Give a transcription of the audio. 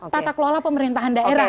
tata kelola pemerintahan daerah